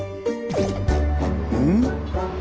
うん？